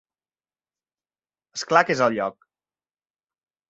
És clar que és el lloc.